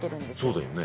そうだよね。